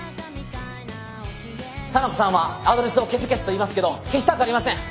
沙名子さんはアドレスを消せ消せと言いますけど消したくありません！